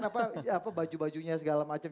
apa baju bajunya segala macam